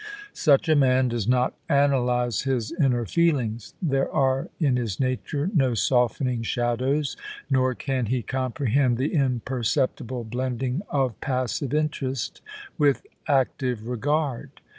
Such a man does not analyse his inner feelings. There are in his nature no softening shadows, nor can he comprehend the imperceptible blending of passive interest with active regard.